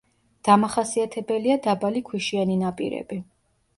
დამახასიათებელია დაბალი ქვიშიანი ნაპირები.